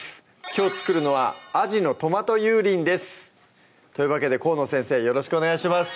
きょう作るのは「あじのトマト油淋」ですというわけで河野先生よろしくお願いします